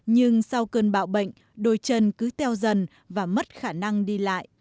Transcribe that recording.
nhưng sau cơn bạo bệnh đôi chân cứ teo dần và mất khả năng đi